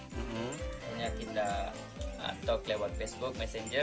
hanya kita talk lewat facebook messenger